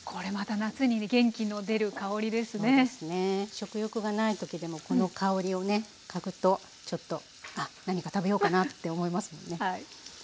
食欲がない時でもこの香りをね嗅ぐとちょっとあっ何か食べようかなって思いますもんね。